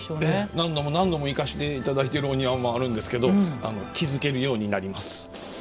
何度も何度も行かせていただいているお庭もあるんですけれども気付けるようになります。